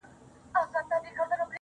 د ښكلي سولي يوه غوښتنه وكړو,